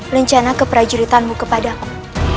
rencana keperajuritanmu kepadaku